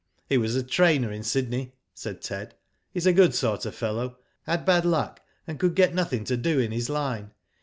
'*" He was a trainer in Sydney," said Ted. "He's a good sort of fellow. Had bad luck, and could get nothing to do in his line.